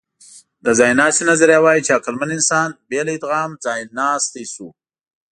د ځایناستي نظریه وايي، چې عقلمن انسان بې له ادغام ځایناستی شو.